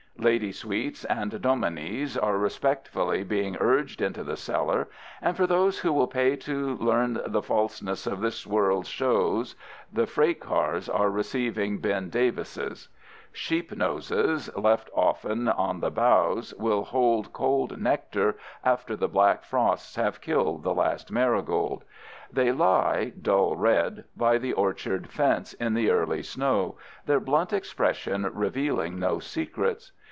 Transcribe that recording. Lady Sweets and Dominies are respectfully being urged into the cellar, and for those who will pay to learn the falseness of this world's shows the freight cars are receiving Ben Davises. Sheep noses, left often on the boughs, will hold cold nectar after the black frosts have killed the last marigold. They lie, dull red, by the orchard fence in the early snow, their blunt expression revealing no secrets.